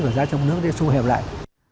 và giá trong nước sẽ thu hẹp lại